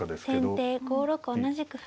先手５六同じく歩。